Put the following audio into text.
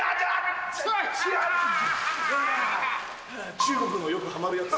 中国のよくはまるやつ。